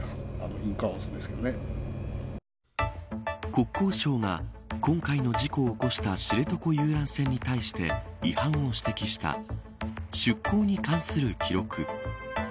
国交省が今回の事故を起こした知床遊覧船に対して違反を指摘した出航に関する記録。